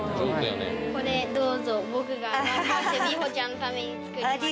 これどうぞ僕が頑張って美穂ちゃんのために作りました